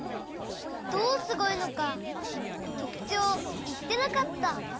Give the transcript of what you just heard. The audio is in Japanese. どうすごいのかとくちょうをいってなかった。